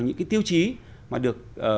những cái tiêu chí mà được